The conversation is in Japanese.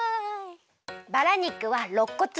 バラ肉はろっこつ。